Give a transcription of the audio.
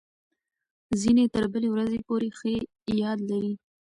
ځینې تر بلې ورځې پورې ښه یاد لري.